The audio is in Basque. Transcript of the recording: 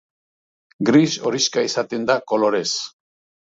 Gris horixka izaten da kolorez.